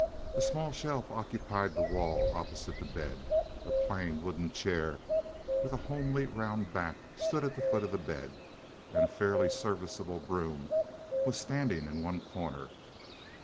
A small shelf occupied the wall opposite the bed. A plain wooden chair with a homely round back stood at the foot of the bed, and a fairly serviceable broom was standing in one corner.